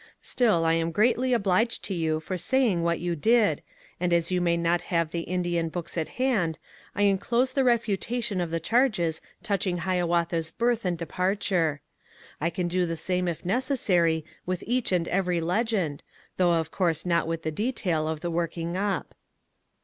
Still I am greatly obliged to you for MINISTERIAL EXPERIENCES 213 saying what you did, and as you may not have the Indian books at hand I enclose the refutation of the charges touch ing Hiawatha's birth and departure. I can do the same if necessary with each and every legend, though of course not with the detail of the working up.